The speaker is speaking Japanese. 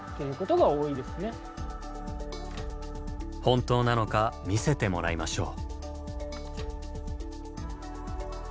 本当なのか見せてもらいましょう。